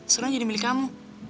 sekarang jadi milik kamu